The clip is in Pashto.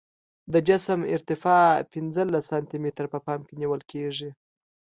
د جسم ارتفاع پنځلس سانتي متره په پام کې نیول کیږي